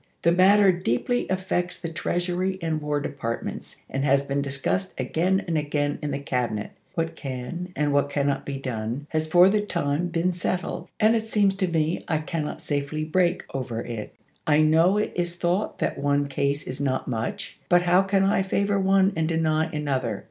The matter deeply affects the Treasury and War Departments, and has been discussed again and again in the Cabinet. What can, and what cannot be done, has for the time been settled, and it seems to me I cannot safely break over it. I know it is thought that one case is not much, but how can I favor one and deny another